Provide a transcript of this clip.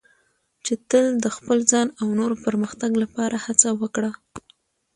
چې تل د خپل ځان او نورو پرمختګ لپاره هڅه وکړه.